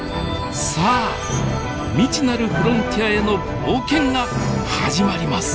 さあ未知なるフロンティアへの冒険が始まります。